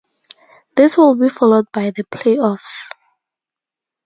This will be followed by the playoffs.